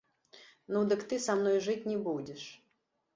Ну, дык ты са мной жыць не будзеш.